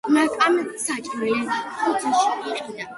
მაკამ საჭმელი ბუფეტში იყიდა.